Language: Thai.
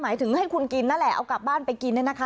หมายถึงให้คุณกินนั่นแหละเอากลับบ้านไปกินเนี่ยนะคะ